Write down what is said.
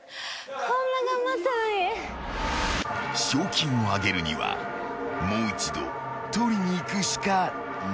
［賞金を上げるにはもう一度取りに行くしかない］